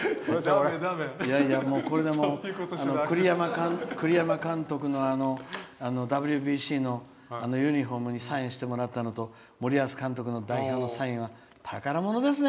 これで栗山監督のＷＢＣのユニフォームにサインしてもらったのと森保監督のサインは宝物ですね。